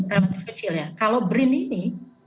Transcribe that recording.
relatif kecil ya kalau brin ini